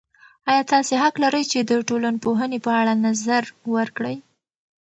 ایا تاسې حق لرئ چې د ټولنپوهنې په اړه نظر ورکړئ؟